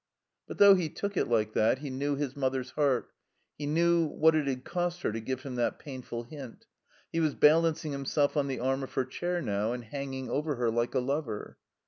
But though he took it like that, he knew his mother's heart; he knew what it had cost her to give him that pitiful hint. He was balancing him self on the arm of her chair now, and hanging over her like a lover.